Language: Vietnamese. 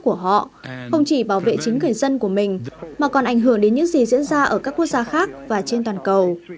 không chỉ bảo vệ chính quyền dân của mình mà còn ảnh hưởng đến những gì diễn ra ở các quốc gia khác và trên toàn cầu